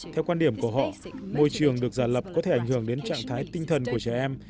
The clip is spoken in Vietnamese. theo quan điểm của họ môi trường được giả lập có thể ảnh hưởng đến trạng thái tinh thần của trẻ em